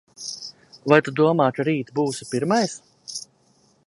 Vai tu domā, ka rīt būsi pirmais?